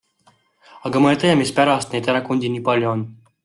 Aga ma ei tea, mispärast neid erakondi nii palju on.